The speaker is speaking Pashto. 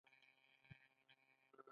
ملت خپل زخم نه ویني.